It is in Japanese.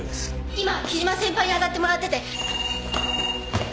今木島先輩に当たってもらってて。